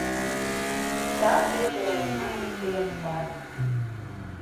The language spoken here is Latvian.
Tā piederēja manam sievastēvam.